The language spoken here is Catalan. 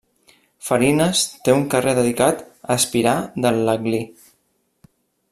Farines té un carrer dedicat a Espirà de l'Aglí.